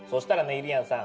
ゆりやんさん